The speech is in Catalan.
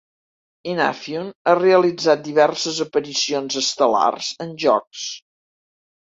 Inafune ha realitzat diverses aparicions estel·lars en jocs.